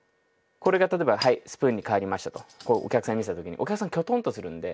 これが例えば「はいスプーンに変わりました」とこれお客さんに見せた時にお客さんきょとんとするんで。